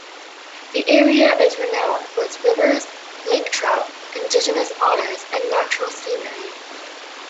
The area is renowned for its rivers, lake trout, indigenous otters, and natural scenery.